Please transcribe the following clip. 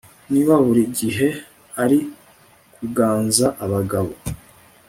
niba buri gihe ari kuganza abagabo